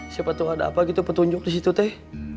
siapa tuh ada apa gitu petunjuk disitu teh